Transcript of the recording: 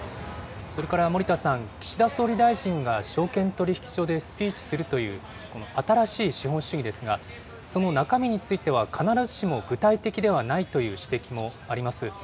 それから森田さん、岸田総理大臣が証券取引所でスピーチするという、この新しい資本主義ですが、その中身については、必ずしも具体的ではないという指摘もあります。